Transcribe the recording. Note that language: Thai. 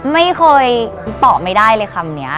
ไม่เคยตอบไม่ได้เลยคำนี้